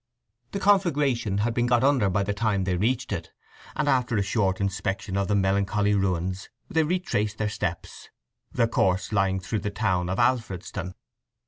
The conflagration had been got under by the time they reached it, and after a short inspection of the melancholy ruins they retraced their steps—their course lying through the town of Alfredston.